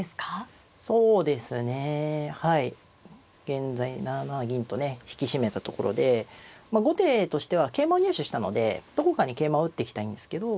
現在７七銀とね引き締めたところで後手としては桂馬を入手したのでどこかに桂馬を打っていきたいんですけど